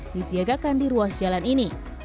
disiagakan di ruas jalan ini